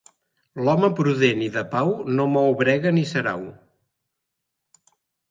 L'home prudent i de pau no mou brega ni sarau.